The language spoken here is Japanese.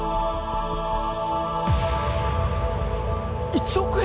１億円！？